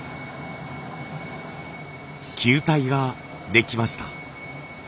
球体ができました。